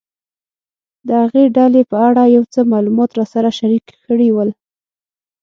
د هغې ډلې په اړه یې یو څه معلومات راسره شریک کړي ول.